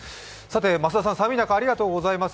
増田さん、寒い中、ありがとうございます。